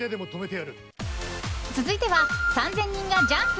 続いては３０００人がジャンプ！